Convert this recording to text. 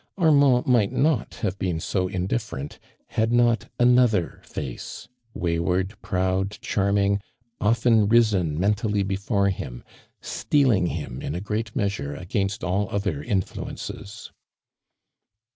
Armand might not have been so indifferent had not another face, wayward, proud, charming, often risen mentally before him. steeling him in a great measure against all other in fluences.